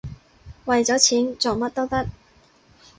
為咗錢，做乜都得